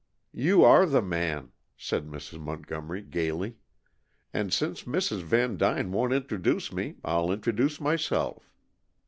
"You are the man!" said Mrs. Montgomery gaily. "And since Mrs. Vandyne won't introduce me, I'll introduce myself."